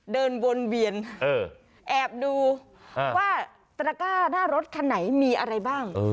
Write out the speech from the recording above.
เดินวนเวียนแอบดูว่าตระก้าหน้ารถคันไหนมีอะไรบ้าง